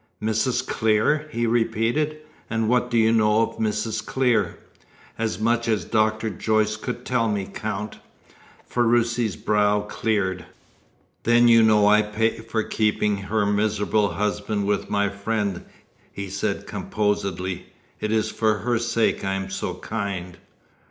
"Mrs. Clear?" he repeated. "And what do you know of Mrs. Clear?" "As much as Dr. Jorce could tell me, Count." Ferruci's brow cleared. "Then you know I pay for keeping her miserable husband with my friend," he said composedly. "It is for her sake I am so kind."